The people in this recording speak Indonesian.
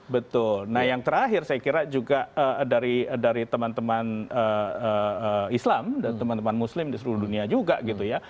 betul nah yang terakhir saya kira juga dari teman teman islam dan teman teman muslim di seluruh dunia juga gitu ya